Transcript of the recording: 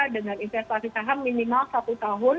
dengan investasi saham minimal satu tahun